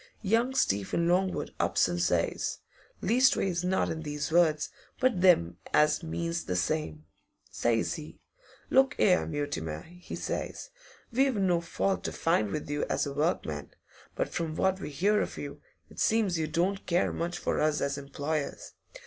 Young Stephen Longwood ups an' says leastways not in these words, but them as means the same says he, "Look 'ere, Mutimer," he says, "we've no fault to find with you as a workman, but from what we hear of you, it seems you don't care much for us as employers.